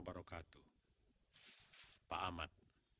dan juga pak ahmad